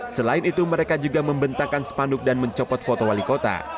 selain itu mereka juga membentakan sepanduk dan mencopot foto wali kota